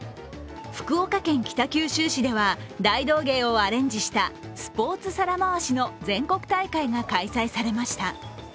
福岡県北九州市では、大道芸をアレンジしたスポーツ皿回しの全国大会が開催されました。